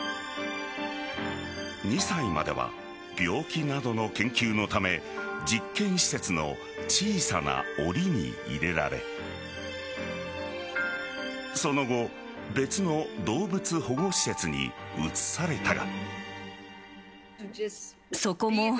２歳までは病気などの研究のため実験施設の小さなおりに入れられその後別の動物保護施設に移されたが。